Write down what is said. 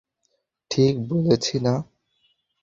ঠিক বলেছি না?